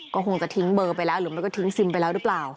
ก็คงจะทิ้งเบอร์ไปแล้วหรือมันก็ทิ้งซิมไปแล้วหรือเปล่า